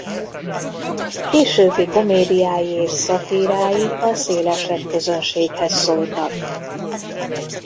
Későbbi komédiái és szatírái a szélesebb közönséghez szóltak.